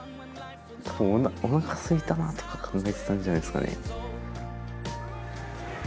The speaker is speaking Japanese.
おなかすいたなとか考えてたんじゃないですかね。